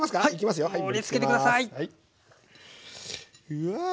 うわ！